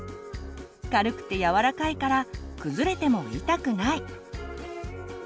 軽くてやわらかいから崩れても痛くない。